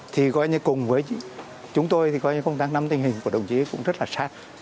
thì coi như cùng với chúng tôi thì coi như công tác nắm tình hình của đồng chí cũng rất là sát